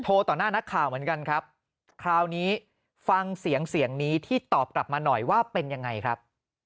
ต่อหน้านักข่าวเหมือนกันครับคราวนี้ฟังเสียงเสียงนี้ที่ตอบกลับมาหน่อยว่าเป็นยังไงครับ